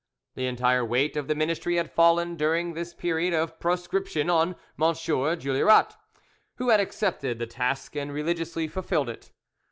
The entire weight of the ministry had fallen during this period of proscription on M. Juillerat, who had accepted the task and religiously fulfilled it.